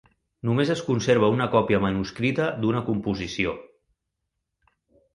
Només es conserva una còpia manuscrita d'una composició.